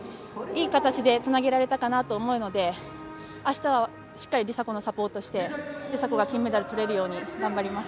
いい形でつなげられたかなと思うので、あしたはしっかり梨紗子のサポートして、梨紗子が金メダルとれるように頑張ります。